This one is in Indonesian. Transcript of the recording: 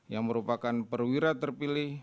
yang merupakan perwira terpilih